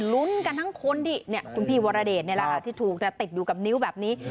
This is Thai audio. ลุ้นกันทั้งคนที่คุณพี่วรเดชนี่แหละค่ะที่ถูกติดอยู่กับนิ้วแบบนี้